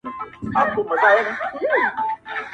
• له یوې خوني تر بلي پوري تلمه -